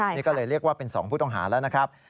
นี่ก็เลยเรียกว่าเป็น๒ผู้ต้องหาแล้วนะครับ